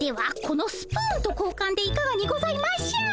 このスプーンと交換でいかがにございましょう？